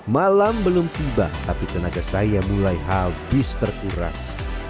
malam belum tiba tapi tenaga saya mulai habis terkuras